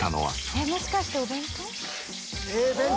えっもしかしてお弁当？